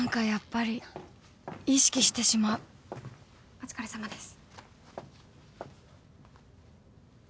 お疲れさまです。